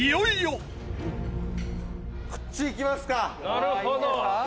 「なるほど！」